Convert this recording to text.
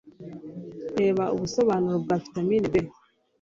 Reba ubusobanuro bwa vitamin B